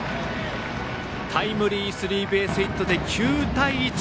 タイムリースリーベースヒットで９対１。